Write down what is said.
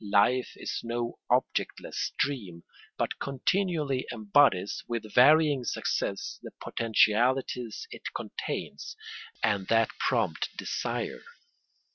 Life is no objectless dream, but continually embodies, with varying success, the potentialities it contains and that prompt desire.